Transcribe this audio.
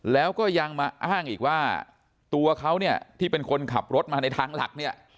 แล้วก็ยังมาอ้างอีกว่าตัวเขาเนี่ยที่เป็นคนขับรถมาในทางหลักเนี่ย